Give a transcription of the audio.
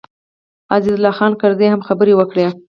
عزیز الله خان کرزي هم خبرې وکړې.